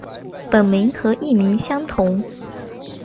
本名和艺名相同。